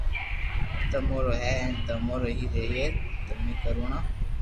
تمو رو ھي ھين تمو رو ھي رھئي تمو ڪروڻا